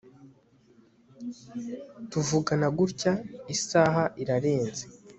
tuvugana gutya, isaha irarenze